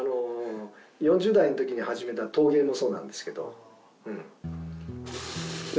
４０代の時に始めた陶芸もそうなんですけどで